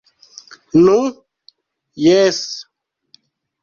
Nu, jes...